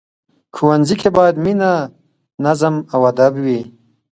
ښوونځی کې باید مینه، نظم او ادب وي